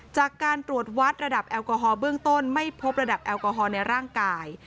จากการตรวจวัดระดับแอลกอฮอลเบื้องต้นไม่พบระดับแอลกอฮอลในร่างกาย